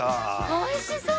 おいしそう！